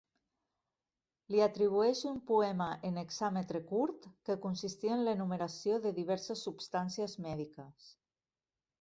Li atribueix un poema en hexàmetre curt, que consistia en l'enumeració de diverses substàncies mèdiques.